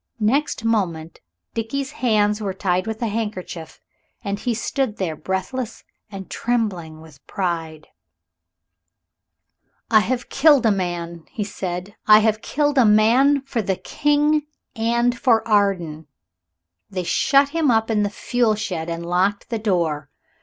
Next moment Dickie's hands were tied with a handkerchief, and he stood there breathless and trembling with pride. [Illustration: "'I HAVE KILLED A MAN,' HE SAID" Page 290] "I have killed a man," he said; "I have killed a man for the King and for Arden." They shut him up in the fuel shed and locked the door.